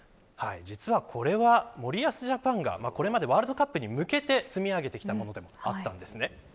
これは森保ジャパンがこれまでワールドカップに向けて積み上げてきたものでもあったんです。